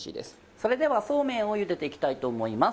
それではそうめんをゆでていきたいと思います。